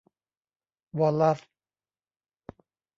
วอลลัส